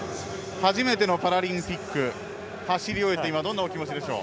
初めてのパラリンピック走り終えてどんなお気持ちでしょう？